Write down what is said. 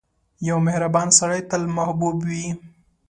• یو مهربان سړی تل محبوب وي.